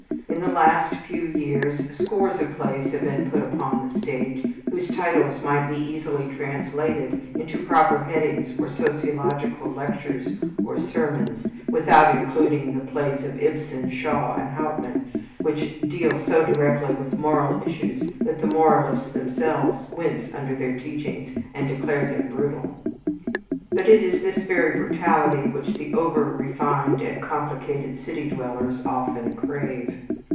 In the last few years scores of plays have been put upon the stage whose titles might be easily translated into proper headings for sociological lectures or sermons, without including the plays of Ibsen, Shaw and Hauptmann, which deal so directly with moral issues that the moralists themselves wince under their teachings and declare them brutal. But it is this very brutality which the over refined and complicated city dwellers often crave.